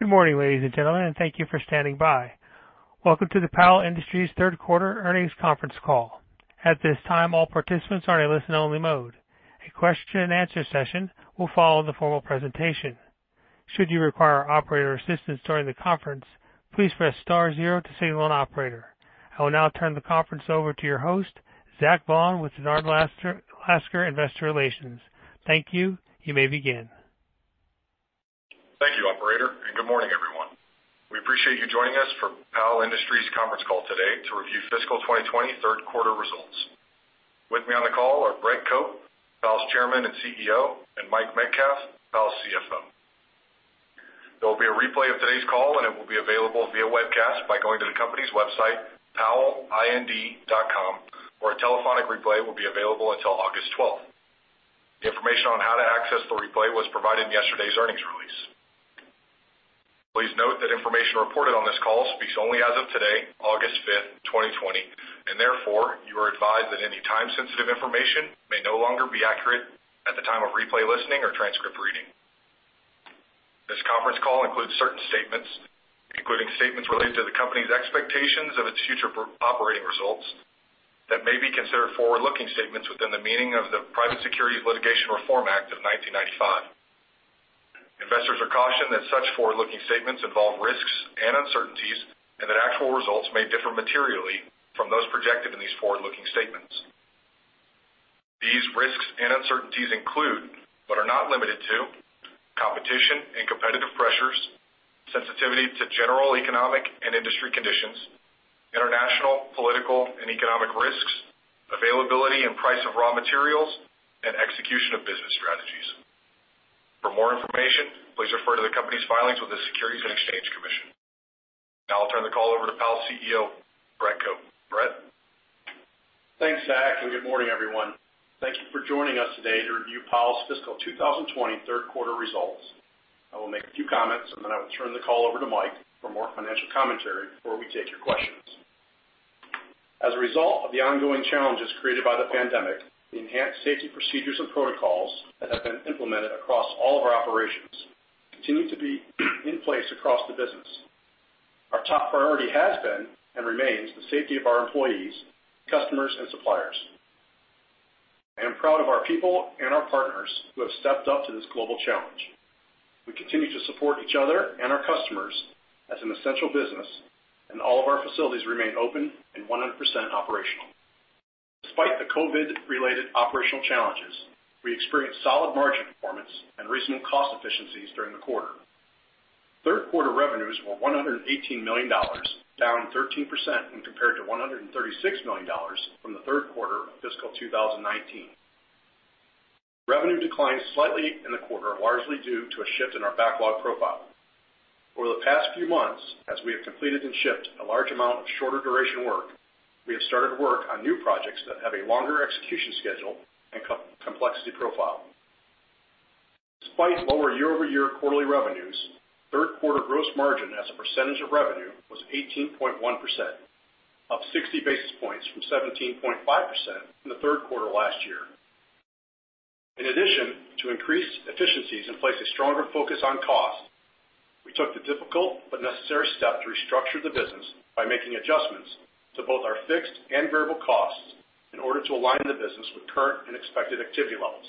Good morning, ladies and gentlemen, and thank you for standing by. Welcome to the Powell Industries Third Quarter Earnings Conference Call. At this time, all participants are in a listen-only mode. A question-and-answer session will follow the formal presentation. Should you require operator assistance during the conference, please press star zero to signal an operator. I will now turn the conference over to your host, Zach Vaughan, with Dennard Lascar Investor Relations. Thank you. You may begin. Thank you, operator, and good morning, everyone. We appreciate you joining us for Powell Industries conference call today to review fiscal 2020 third quarter results. With me on the call are Brett Cope, Powell's Chairman and CEO, and Mike Metcalf, Powell's CFO. There will be a replay of today's call, and it will be available via webcast by going to the company's website, powellind.com, where a telephonic replay will be available until August 12th. Information on how to access the replay was provided in yesterday's earnings release. Please note that information reported on this call speaks only as of today, August 5th, 2020, and therefore, you are advised that any time-sensitive information may no longer be accurate at the time of replay listening or transcript reading. This conference call includes certain statements, including statements related to the company's expectations of its future operating results that may be considered forward-looking statements within the meaning of the Private Securities Litigation Reform Act of 1995. Investors are cautioned that such forward-looking statements involve risks and uncertainties, and that actual results may differ materially from those projected in these forward-looking statements. These risks and uncertainties include, but are not limited to, competition and competitive pressures, sensitivity to general economic and industry conditions, international, political, and economic risks, availability and price of raw materials, and execution of business strategies. For more information, please refer to the company's filings with the Securities and Exchange Commission. Now I'll turn the call over to Powell's CEO, Brett Cope. Brett? Thanks, Zach, and good morning, everyone. Thank you for joining us today to review Powell's fiscal 2020 third quarter results. I will make a few comments, and then I will turn the call over to Mike for more financial commentary before we take your questions. As a result of the ongoing challenges created by the pandemic, the enhanced safety procedures and protocols that have been implemented across all of our operations continue to be in place across the business. Our top priority has been and remains the safety of our employees, customers, and suppliers. I am proud of our people and our partners who have stepped up to this global challenge. We continue to support each other and our customers as an essential business, and all of our facilities remain open and 100% operational. Despite the COVID-related operational challenges, we experienced solid margin performance and reasonable cost efficiencies during the quarter. Third quarter revenues were $118 million, down 13% when compared to $136 million from the third quarter of fiscal 2019. Revenue declined slightly in the quarter, largely due to a shift in our backlog profile. Over the past few months, as we have completed and shipped a large amount of shorter duration work, we have started to work on new projects that have a longer execution schedule and complexity profile. Despite lower year-over-year quarterly revenues, third quarter gross margin as a percentage of revenue was 18.1%, up 60 basis points from 17.5% in the third quarter last year. In addition to increased efficiencies and placing a stronger focus on cost, we took the difficult but necessary step to restructure the business by making adjustments to both our fixed and variable costs in order to align the business with current and expected activity levels.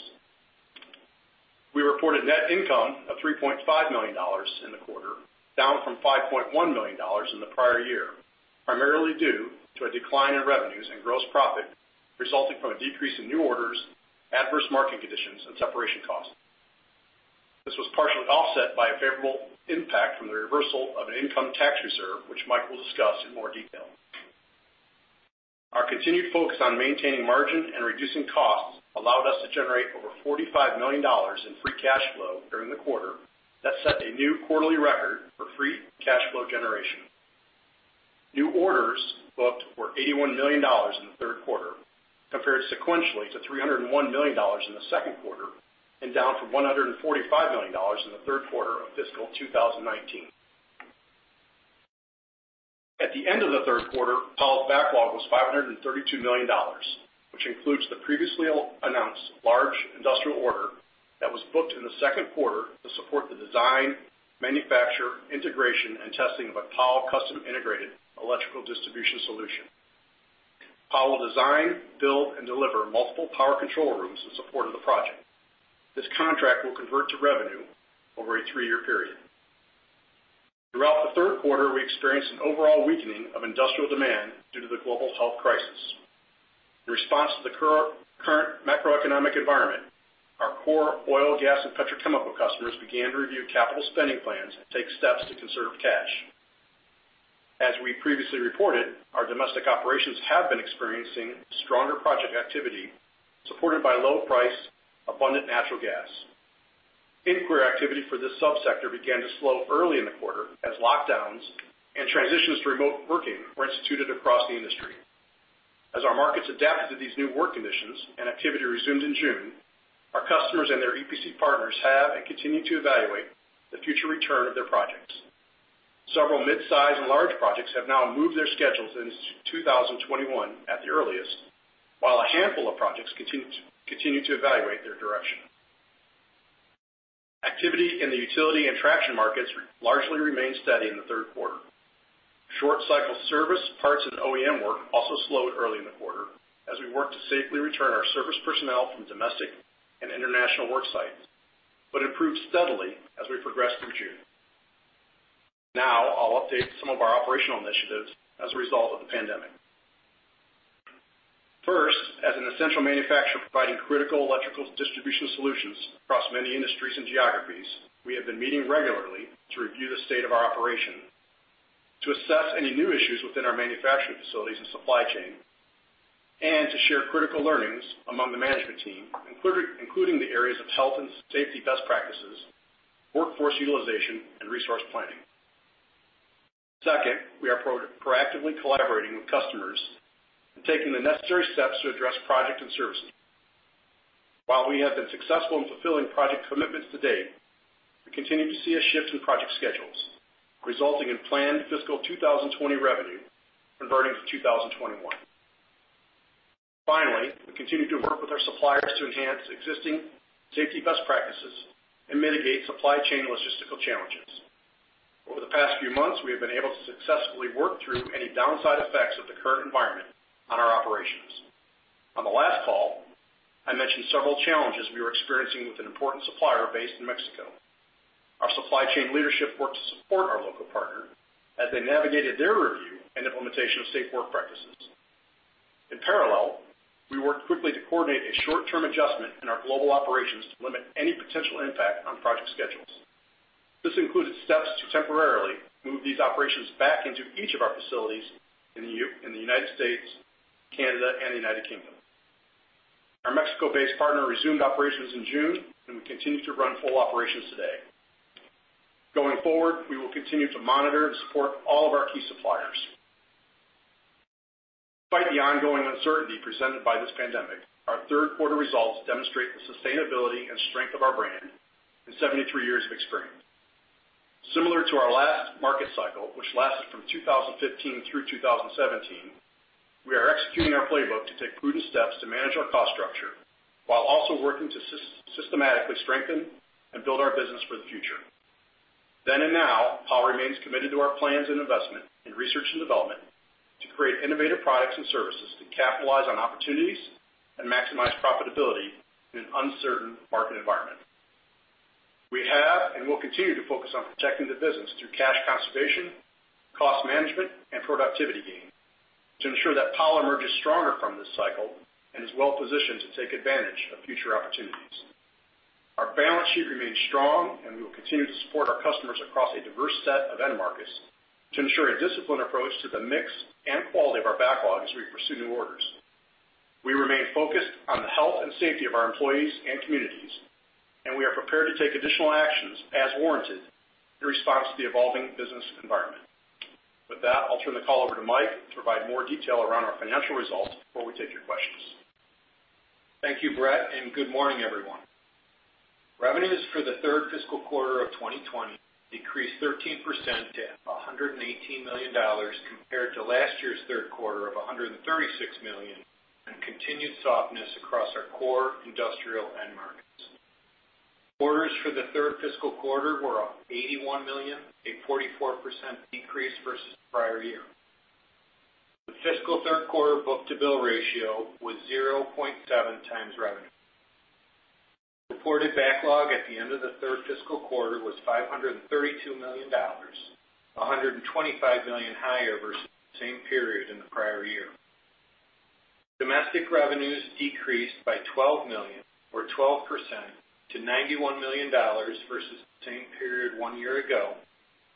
We reported net income of $3.5 million in the quarter, down from $5.1 million in the prior year, primarily due to a decline in revenues and gross profit resulting from a decrease in new orders, adverse market conditions, and separation costs. This was partially offset by a favorable impact from the reversal of an income tax reserve, which Mike will discuss in more detail. Our continued focus on maintaining margin and reducing costs allowed us to generate over $45 million in free cash flow during the quarter that set a new quarterly record for free cash flow generation. New orders booked were $81 million in the third quarter, compared sequentially to $301 million in the second quarter, and down from $145 million in the third quarter of fiscal 2019. At the end of the third quarter, Powell's backlog was $532 million, which includes the previously announced large industrial order that was booked in the second quarter to support the design, manufacture, integration, and testing of a Powell custom integrated electrical distribution solution. Powell will design, build, and deliver multiple Power Control Rooms in support of the project. This contract will convert to revenue over a three-year period. Throughout the third quarter, we experienced an overall weakening of industrial demand due to the global health crisis. In response to the current macroeconomic environment, our core oil, gas, and petrochemical customers began to review capital spending plans and take steps to conserve cash. As we previously reported, our domestic operations have been experiencing stronger project activity supported by low-priced, abundant natural gas. Inquiry activity for this subsector began to slow early in the quarter as lockdowns and transitions to remote working were instituted across the industry. As our markets adapted to these new work conditions and activity resumed in June, our customers and their EPC partners have and continue to evaluate the future return of their projects. Several mid-size and large projects have now moved their schedules into 2021 at the earliest, while a handful of projects continue to evaluate their direction. Activity in the utility and traction markets largely remained steady in the third quarter. Short-cycle service, parts, and OEM work also slowed early in the quarter as we worked to safely return our service personnel from domestic and international work sites, but improved steadily as we progressed through June. Now I'll update some of our operational initiatives as a result of the pandemic. First, as an essential manufacturer providing critical electrical distribution solutions across many industries and geographies, we have been meeting regularly to review the state of our operation, to assess any new issues within our manufacturing facilities and supply chain, and to share critical learnings among the management team, including the areas of health and safety best practices, workforce utilization, and resource planning. Second, we are proactively collaborating with customers and taking the necessary steps to address project and service needs. While we have been successful in fulfilling project commitments to date, we continue to see a shift in project schedules, resulting in planned fiscal 2020 revenue converting to 2021. Finally, we continue to work with our suppliers to enhance existing safety best practices and mitigate supply chain logistical challenges. Over the past few months, we have been able to successfully work through any downside effects of the current environment on our operations. On the last call, I mentioned several challenges we were experiencing with an important supplier based in Mexico. Our supply chain leadership worked to support our local partner as they navigated their review and implementation of safe work practices. In parallel, we worked quickly to coordinate a short-term adjustment in our global operations to limit any potential impact on project schedules. This included steps to temporarily move these operations back into each of our facilities in the United States, Canada, and the United Kingdom. Our Mexico-based partner resumed operations in June, and we continue to run full operations today. Going forward, we will continue to monitor and support all of our key suppliers. Despite the ongoing uncertainty presented by this pandemic, our third quarter results demonstrate the sustainability and strength of our brand and 73 years of experience. Similar to our last market cycle, which lasted from 2015 through 2017, we are executing our playbook to take prudent steps to manage our cost structure while also working to systematically strengthen and build our business for the future. Then and now, Powell remains committed to our plans and investment in research and development to create innovative products and services to capitalize on opportunities and maximize profitability in an uncertain market environment. We have and will continue to focus on protecting the business through cash conservation, cost management, and productivity gain to ensure that Powell emerges stronger from this cycle and is well-positioned to take advantage of future opportunities. Our balance sheet remains strong, and we will continue to support our customers across a diverse set of end markets to ensure a disciplined approach to the mix and quality of our backlog as we pursue new orders. We remain focused on the health and safety of our employees and communities, and we are prepared to take additional actions as warranted in response to the evolving business environment. With that, I'll turn the call over to Mike to provide more detail around our financial results before we take your questions. Thank you, Brett, and good morning, everyone. Revenues for the third fiscal quarter of 2020 decreased 13% to $118 million compared to last year's third quarter of $136 million and continued softness across our core industrial end markets. Orders for the third fiscal quarter were $81 million, a 44% decrease versus the prior year. The fiscal third quarter book-to-bill ratio was 0.7 times revenue. Reported backlog at the end of the third fiscal quarter was $532 million, $125 million higher versus the same period in the prior year. Domestic revenues decreased by $12 million, or 12%, to $91 million versus the same period one year ago,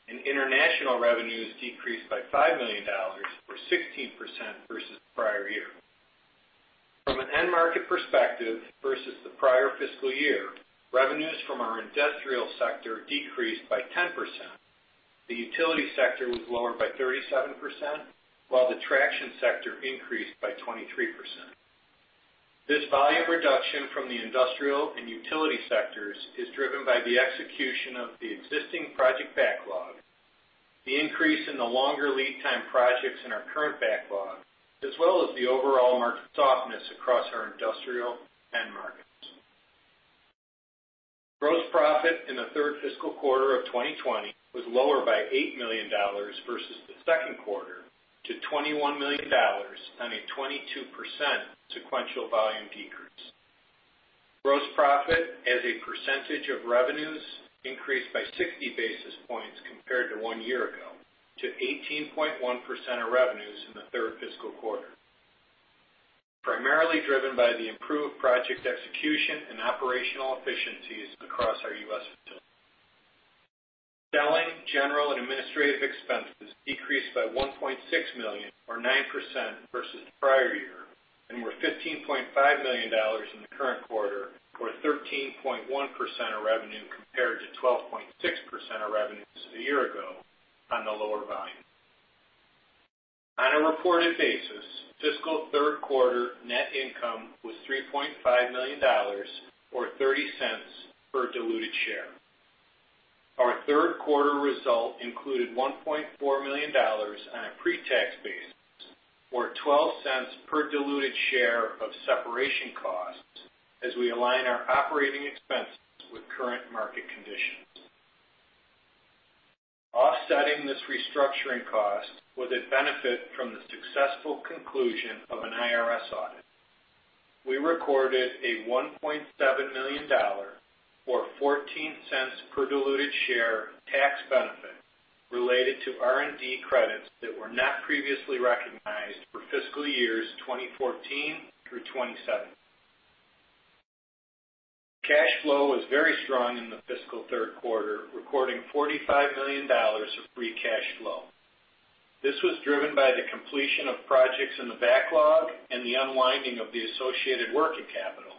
and international revenues decreased by $5 million, or 16%, versus the prior year. From an end market perspective versus the prior fiscal year, revenues from our industrial sector decreased by 10%. The utility sector was lower by 37%, while the traction sector increased by 23%. This volume reduction from the industrial and utility sectors is driven by the execution of the existing project backlog, the increase in the longer lead time projects in our current backlog, as well as the overall market softness across our industrial end markets. Gross profit in the third fiscal quarter of 2020 was lower by $8 million versus the second quarter, to $21 million and a 22% sequential volume decrease. Gross profit as a percentage of revenues increased by 60 basis points compared to one year ago, to 18.1% of revenues in the third fiscal quarter, primarily driven by the improved project execution and operational efficiencies across our U.S. facilities. Selling, general, and administrative expenses decreased by $1.6 million, or 9%, versus the prior year, and were $15.5 million in the current quarter, or 13.1% of revenue compared to 12.6% of revenues a year ago on the lower volume. On a reported basis, fiscal third quarter net income was $3.5 million, or $0.30 per diluted share. Our third quarter result included $1.4 million on a pre-tax basis, or $0.12 per diluted share, of separation costs as we align our operating expenses with current market conditions. Offsetting this restructuring cost was a benefit from the successful conclusion of an IRS audit. We recorded a $1.7 million, or $0.14 per diluted share, tax benefit related to R&D credits that were not previously recognized for fiscal years 2014 through 2017. Cash flow was very strong in the fiscal third quarter, recording $45 million of free cash flow. This was driven by the completion of projects in the backlog and the unwinding of the associated working capital,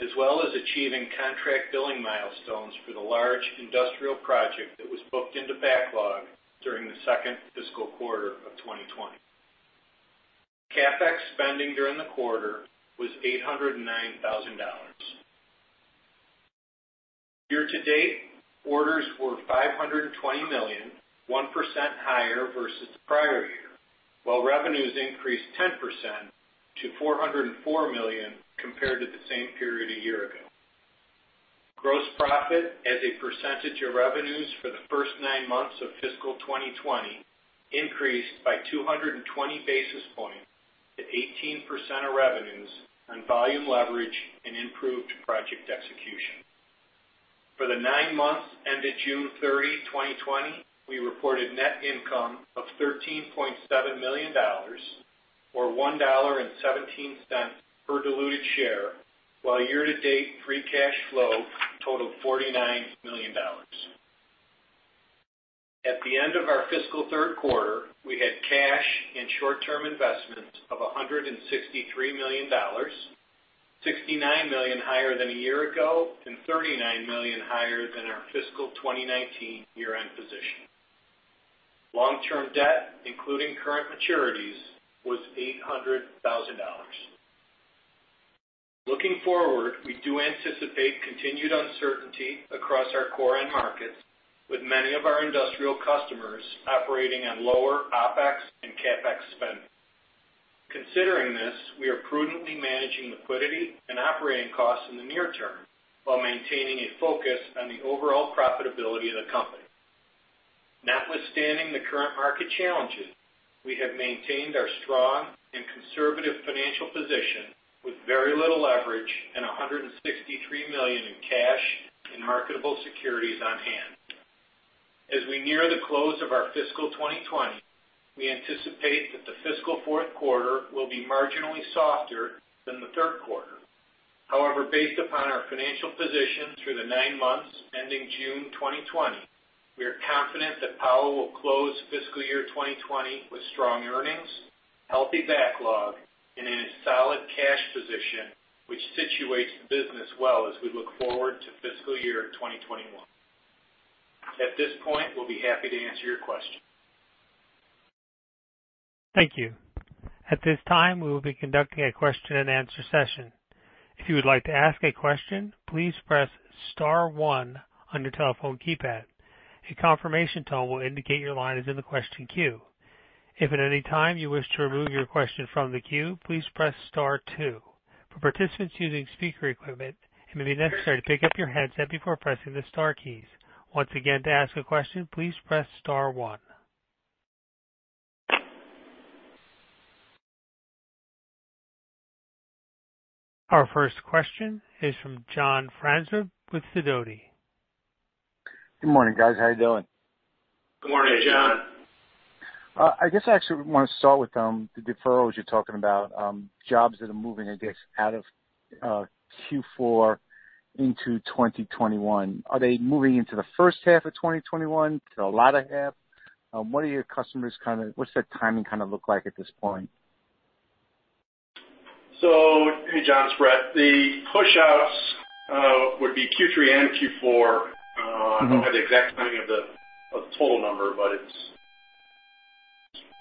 as well as achieving contract billing milestones for the large industrial project that was booked into backlog during the second fiscal quarter of 2020. CapEx spending during the quarter was $809,000. Year-to-date, orders were $520 million, 1% higher versus the prior year, while revenues increased 10% to $404 million compared to the same period a year ago. Gross profit as a percentage of revenues for the first nine months of fiscal 2020 increased by 220 basis points to 18% of revenues on volume leverage and improved project execution. For the nine months ended June 30, 2020, we reported net income of $13.7 million, or $1.17 per diluted share, while year-to-date free cash flow totaled $49 million. At the end of our fiscal third quarter, we had cash and short-term investments of $163 million, $69 million higher than a year ago and $39 million higher than our fiscal 2019 year-end position. Long-term debt, including current maturities, was $800,000. Looking forward, we do anticipate continued uncertainty across our core end markets, with many of our industrial customers operating on lower OpEx and CapEx spending. Considering this, we are prudently managing liquidity and operating costs in the near term while maintaining a focus on the overall profitability of the company. Notwithstanding the current market challenges, we have maintained our strong and conservative financial position with very little leverage and $163 million in cash and marketable securities on hand. As we near the close of our fiscal 2020, we anticipate that the fiscal fourth quarter will be marginally softer than the third quarter. However, based upon our financial position through the nine months ending June 2020, we are confident that Powell will close fiscal year 2020 with strong earnings, healthy backlog, and in a solid cash position, which situates the business well as we look forward to fiscal year 2021. At this point, we'll be happy to answer your questions. Thank you. At this time, we will be conducting a question-and-answer session. If you would like to ask a question, please press star one on your telephone keypad. A confirmation tone will indicate your line is in the question queue. If at any time you wish to remove your question from the queue, please press star two. For participants using speaker equipment, it may be necessary to pick up your headset before pressing the star keys. Once again, to ask a question, please press star one. Our first question is from John Franzreb with Sidoti. Good morning, guys. How are you doing? Good morning, John. I guess I actually want to start with the deferrals you're talking about, jobs that are moving, I guess, out of Q4 into 2021. Are they moving into the first half of 2021, the latter half? What are your customers kind of what's that timing kind of look like at this point? So hey, John, it's Brett. The push-outs would be Q3 and Q4. I don't have the exact timing of the total number, but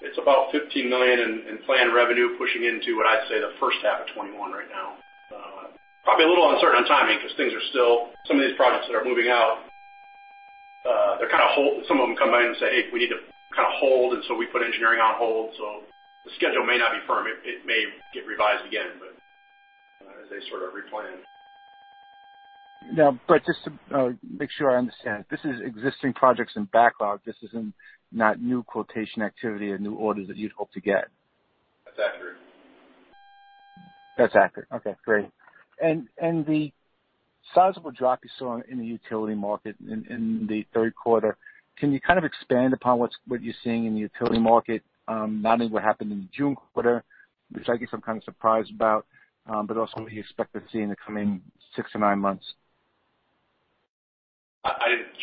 it's about $15 million in planned revenue pushing into what I'd say the first half of 2021 right now. Probably a little uncertain on timing because things are still some of these projects that are moving out, they're kind of hold some of them come in and say, "Hey, we need to kind of hold," and so we put engineering on hold. So the schedule may not be firm. It may get revised again as they sort of replan. Now, Brett, just to make sure I understand, this is existing projects in backlog. This is not new quotation activity or new orders that you'd hope to get. That's accurate. That's accurate. Okay. Great. And the sizable drop you saw in the utility market in the third quarter, can you kind of expand upon what you're seeing in the utility market, not only what happened in the June quarter, which I guess I'm kind of surprised about, but also what you expect to see in the coming six to nine months?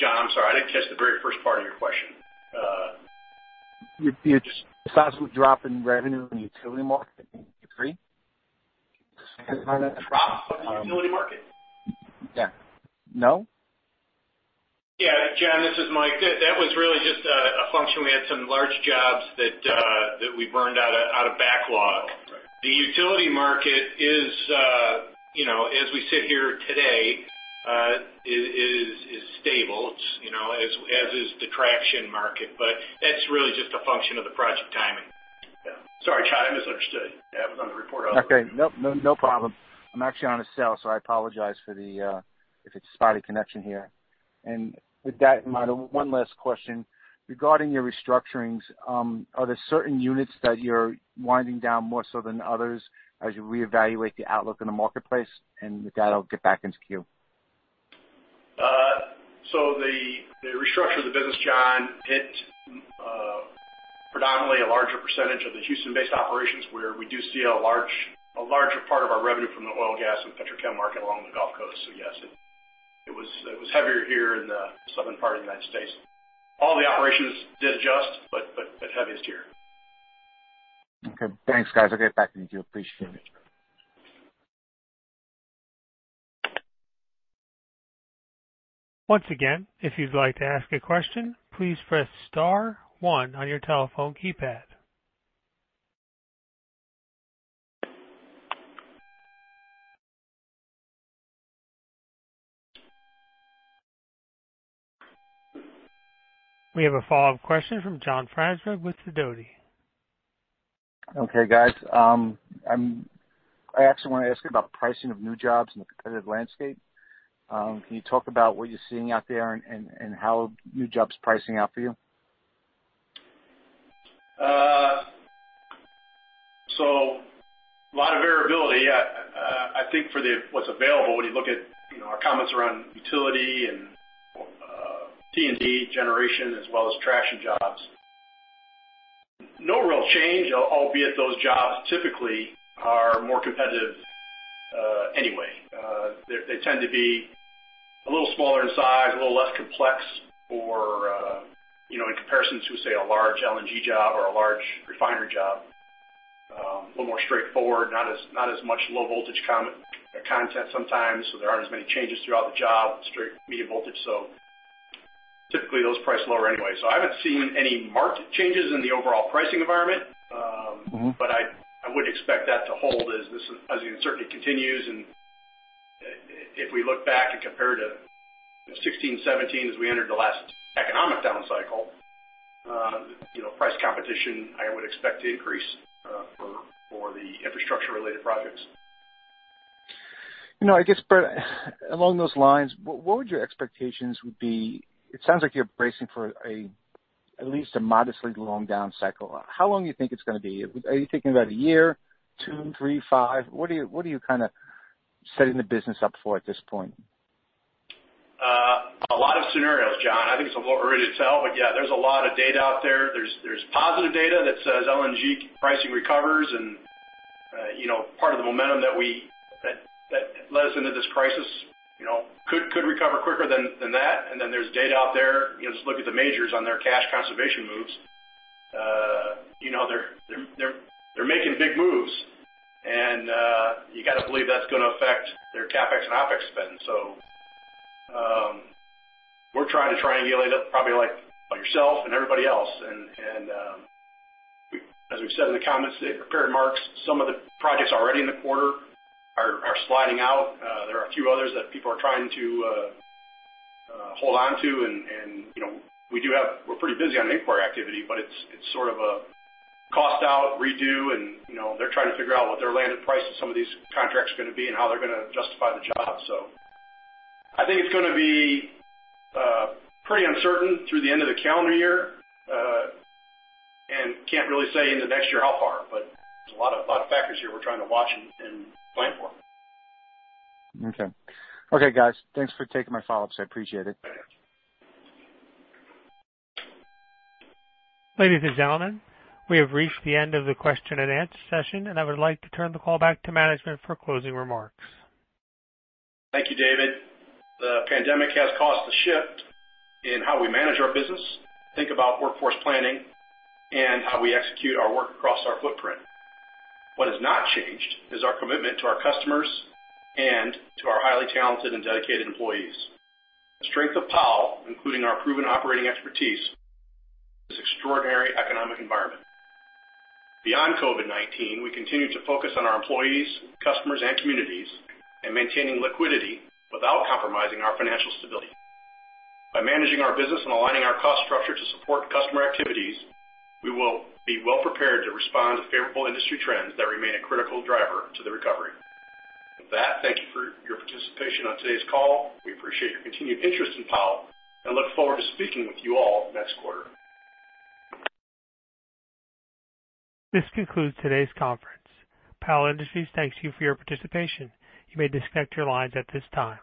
John, I'm sorry. I didn't catch the very first part of your question. The sizable drop in revenue in the utility market in Q3? The sizable drop in the utility market? Yeah. Yeah. John, this is Mike. That was really just a function. We had some large jobs that we burned out of backlog. The utility market, as we sit here today, is stable, as is the traction market, but that's really just a function of the project timing. Yeah. Sorry, John, I misunderstood. That was on the report also. Okay. No problem. I'm actually on a cell, so I apologize if it's spotty connection here. And with that in mind, one last question. Regarding your restructurings, are there certain units that you're winding down more so than others as you reevaluate the outlook in the marketplace? And with that, I'll get back into queue. So the restructure of the business, John, hit predominantly a larger percentage of the Houston-based operations where we do see a larger part of our revenue from the oil, gas, and petrochem market along the Gulf Coast. So yes, it was heavier here in the southern part of the United States. All the operations did adjust, but heaviest here. Okay. Thanks, guys. I'll get back to you. I appreciate it. Once again, if you'd like to ask a question, please press star one on your telephone keypad. We have a follow-up question from John Franzreb with Sidoti. Okay, guys. I actually want to ask you about the pricing of new jobs in the competitive landscape. Can you talk about what you're seeing out there and how new jobs are pricing out for you? So a lot of variability, yeah. I think for what's available, when you look at our comments around utility and T&D generation as well as traction jobs, no real change, albeit those jobs typically are more competitive anyway. They tend to be a little smaller in size, a little less complex in comparison to, say, a large LNG job or a large refinery job. A little more straightforward, not as much low-voltage content sometimes, so there aren't as many changes throughout the job, straight medium voltage. So typically, those priced lower anyway. So I haven't seen any marked changes in the overall pricing environment, but I wouldn't expect that to hold as the uncertainty continues. And if we look back and compare to 2016, 2017 as we entered the last economic down cycle, price competition, I would expect to increase for the infrastructure-related projects. I guess, Brett, along those lines, what would your expectations be? It sounds like you're bracing for at least a modestly long down cycle. How long do you think it's going to be? Are you thinking about a year, two, three, five? What are you kind of setting the business up for at this point? A lot of scenarios, John. I think it's a little early to tell, but yeah, there's a lot of data out there. There's positive data that says LNG pricing recovers, and part of the momentum that led us into this crisis could recover quicker than that, and then there's data out there. Just look at the majors on their cash conservation moves. They're making big moves, and you got to believe that's going to affect their CapEx and OpEx spend, so we're trying to triangulate it probably like yourself and everybody else, and as we've said in the comments, they've prepared remarks. Some of the projects already in the quarter are sliding out. There are a few others that people are trying to hold on to. And we do have. We're pretty busy on inquiry activity, but it's sort of a cost-out redo, and they're trying to figure out what their landed price of some of these contracts is going to be and how they're going to justify the job. So I think it's going to be pretty uncertain through the end of the calendar year and can't really say in the next year how far, but there's a lot of factors here we're trying to watch and plan for. Okay. Okay, guys. Thanks for taking my follow-ups. I appreciate it. Ladies and gentlemen, we have reached the end of the question-and-answer session, and I would like to turn the call back to management for closing remarks. Thank you, David. The pandemic has caused the shift in how we manage our business, think about workforce planning, and how we execute our work across our footprint. What has not changed is our commitment to our customers and to our highly talented and dedicated employees. The strength of Powell, including our proven operating expertise, has been tested in an extraordinary economic environment. Beyond COVID-19, we continue to focus on our employees, customers, and communities, and on maintaining liquidity without compromising our financial stability. By managing our business and aligning our cost structure to support customer activities, we will be well-prepared to respond to favorable industry trends that remain a critical driver for the recovery. With that, thank you for your participation on today's call. We appreciate your continued interest in Powell and look forward to speaking with you all next quarter. This concludes today's conference call. Powell Industries thanks you for your participation. You may disconnect your lines at this time.